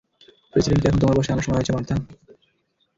প্রেসিডেন্টকে এখন তোমার বশে আনার সময় হয়েছে, মার্থা।